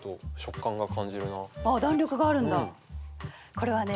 これはね